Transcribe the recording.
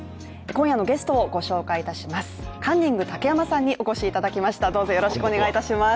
今夜のゲストをご紹介いたします。